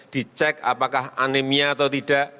dicek apakah anemia atau tidak